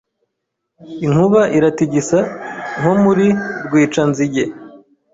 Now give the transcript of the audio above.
inkuba iraritigisa nko muri Rwicanzige